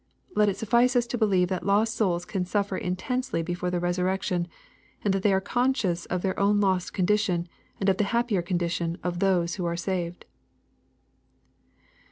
Let it suffice us to believe that lost souls can suffer intensely before the resurrection, and that they are conscious of their own lost condition, and of the happier condition of those who are saved.